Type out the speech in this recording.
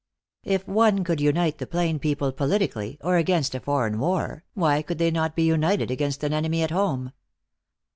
If one could unite the plain people politically, or against a foreign war, why could they not be united against an enemy at home?